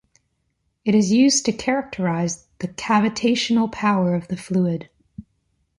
It is used to characterize the cavitational power of the fluid.